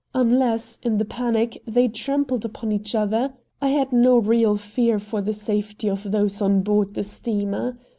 Unless, in the panic, they trampled upon each other, I had no real fear for the safety of those on board the steamer.